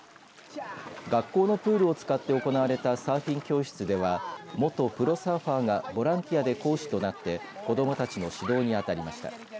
学校のプールを使って行われたサーフィン教室では元プロサーファーがボランティアで講師となって子どもたちの指導に当たりました。